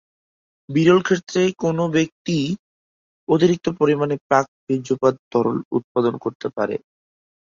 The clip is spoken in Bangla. বিরল ক্ষেত্রে, কোনও ব্যক্তি অতিরিক্ত পরিমাণে প্রাক-বীর্যপাত তরল উৎপাদন করতে পারে।